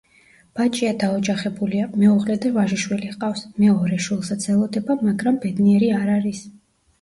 ბაჭია დაოჯახებულია, მეუღლე და ვაჟიშვილი ჰყავს, მეორე შვილსაც ელოდება, მაგრამ ბედნიერი არ არის.